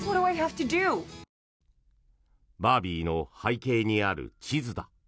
バービーの背景にある地図だ。